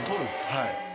はい。